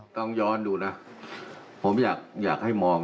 ต้องย้อนดูนะผมอยากให้มอง